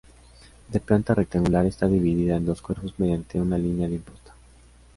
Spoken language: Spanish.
De planta rectangular está dividida en dos cuerpos mediante una línea de imposta.